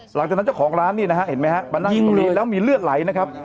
หลังจากนั้นเจ้าของร้านนี่นะฮะเห็นไหมฮะมันยิงบุรีแล้วมีเลือดไหลนะครับ